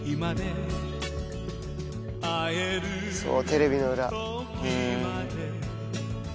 そうテレビの裏。